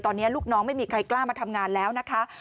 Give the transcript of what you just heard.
ตอนนี้ลูกน้องไม่มีใครกล้ามาทำงานแล้วนะคะ